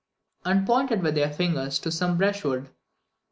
and pointed with their fingers to some brushwood.